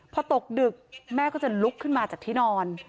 พอตกดึกแม่ก็จะลุกขึ้นมาจากที่นอน